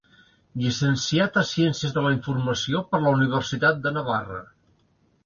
Llicenciat a Ciències de la Informació per la Universitat de Navarra.